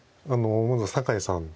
まず酒井さん